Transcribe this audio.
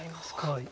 はい。